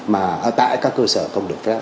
mà tại các cơ sở không được phép